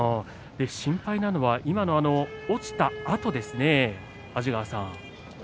心配なのが落ちたあとですね、安治川さん。